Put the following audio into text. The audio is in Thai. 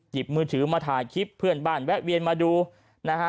หยิบมือถือมาถ่ายคลิปเพื่อนบ้านแวะเวียนมาดูนะฮะ